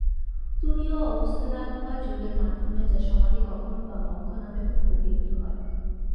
তুরীয় অবস্থা লাভ হয় যোগের মাধ্যমে, যা সমাধি, কখনও বা মোক্ষ নামেও অভিহিত হয়।